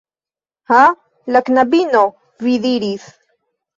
Ha? La knabino, vi diris